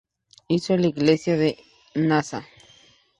Hizo la iglesia de Nª.Sª.